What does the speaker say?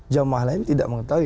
jamaah lain tidak mengetahui